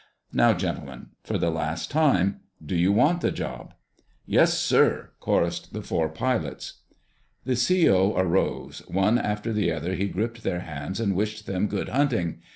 Now, gentlemen, for the last time, do you want the job?" "Yes, sir!" chorused the four pilots. The C.O. arose. One after the other he gripped their hands and wished them good hunting.